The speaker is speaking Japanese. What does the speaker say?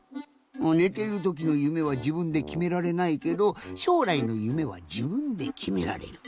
ねてるときの夢はじぶんできめられないけどしょうらいの夢はじぶんできめられる。